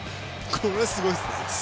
これ、すごいですね。